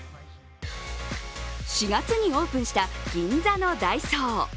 ４月にオープンした銀座のダイソー。